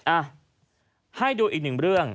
อ่ะให้ดูอีกหนึ่งเรื่อง